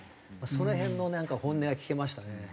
その辺のなんか本音が聞けましたね。